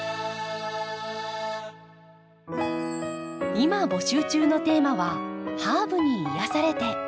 今募集中のテーマは「ハーブに癒やされて」。